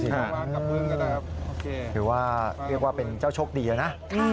ถือว่าเรียกว่าเป็นเจ้าโชคดีนะ